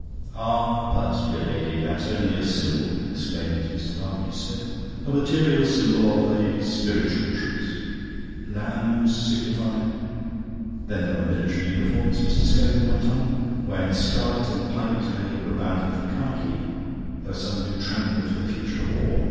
"Ah, but, dear lady, that's only a symbol," exclaimed Mr. Barbecue Smith, "a material symbol of a h piritual truth. Lambs signify..." "Then there are military uniforms," Mr. Scogan went on. "When scarlet and pipe clay were abandoned for khaki, there were some who trembled for the future of war.